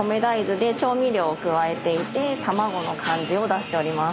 □で調味料を加えて卵の感じを出しております。